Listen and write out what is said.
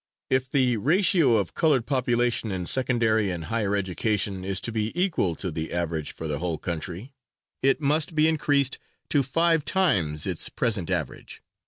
If the ratio of colored population in secondary and higher education is to be equal to the average for the whole country, it must be increased to five times its present average."